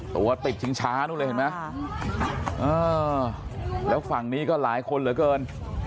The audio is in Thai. ตัวติดชิงช้านู่นเลยเห็นไหมแล้วฝั่งนี้ก็หลายคนเหลือเกิน